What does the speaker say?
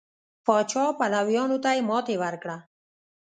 پاچا پلویانو ته یې ماتې ورکړه.